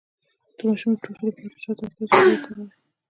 د ماشوم د ټوخي لپاره د شاتو او پیاز اوبه وکاروئ